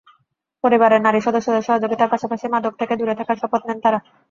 পরিবারের নারী সদস্যদের সহযোগিতার পাশাপাশি মাদক থেকে দূরে থাকার শপথ নেন তাঁরা।